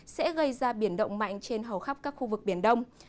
sẽ gây ra biển động mạnh trên hầu khắp các khu vực biển đông